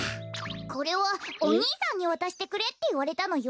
これはおにいさんにわたしてくれっていわれたのよ。